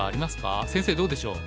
先生どうでしょう。